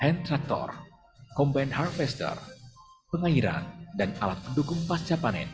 antraktor combine harvester pengairan dan alat pendukung pasca panen